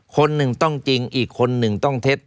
คนหนึ่งต้องจริงอีกคนหนึ่งต้องเท็จ